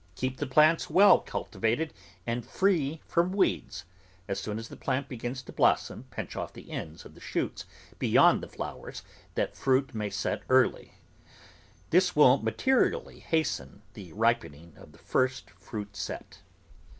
Keep the plants well cultivated and free from weeds. As soon as the plant begins to blossom pinch off the ends of the shoots beyond the flowers that fruit may set early. This will materially hasten the ripening of the first fruit set.